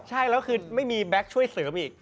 ใช่แล้วคือไม่มีแบ็คช่วยเสริมอีก